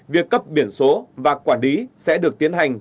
việc cấp biển số và quản lý sẽ được tiến hành